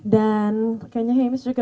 dan kayaknya heimis juga